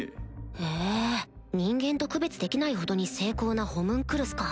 へぇ人間と区別できないほどに精巧なホムンクルスか